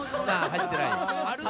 入ってない。